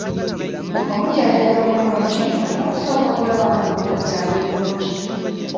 Omujjanjabi omulungi olina okusooka okulaba ng’omulwadde ali bulungi.